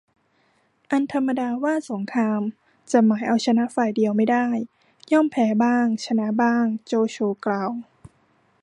อันธรรมดาว่าสงคราม จะหมายเอาชนะฝ่ายเดียวไม่ได้ ย่อมแพ้บ้างชนะบ้าง โจโฉกล่าว